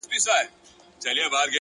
• یادونه: انځور, قادر خان کښلی دی,